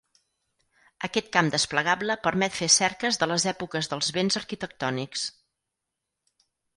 Aquest camp desplegable permet fer cerques de les èpoques dels béns arquitectònics.